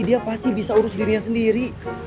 dia pasti bisa urus dirinya sendiri